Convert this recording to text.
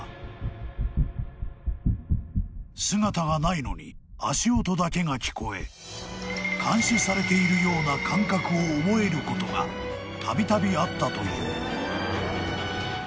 ・［姿がないのに足音だけが聞こえ監視されているような感覚を覚えることがたびたびあったという］